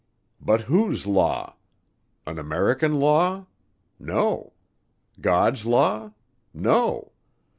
But whose law? An American law? No. God's law? No.